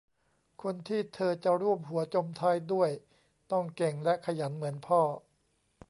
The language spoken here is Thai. คนที่เธอจะร่วมหัวจมท้ายด้วยต้องเก่งและขยันเหมือนพ่อ